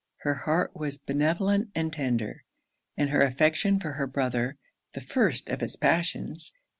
Her heart was benevolent and tender; and her affection for her brother, the first of it's passions.